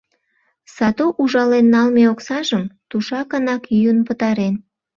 Сату ужален налме оксажым тушакынак йӱын пытарен.